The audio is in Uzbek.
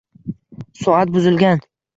Soat buzilgan.